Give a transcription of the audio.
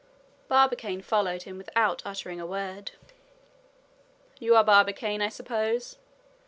Barbicane followed him without uttering a word. "You are Barbicane, I suppose?"